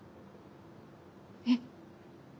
えっ。